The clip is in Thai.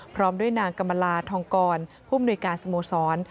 พร้อมด้วยนางกรรมลาทองกรผู้มนุยการสโมสร